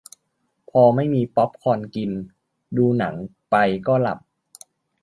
พอไม่มีป๊อปคอร์นกิน ดูหนังไปก็หลับ